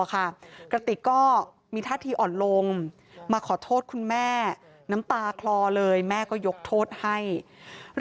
แล้วก็ไม่พบว่ามีการฟันหัดตามที่เป็นข่าวทางโซเชียลก็ไม่พบ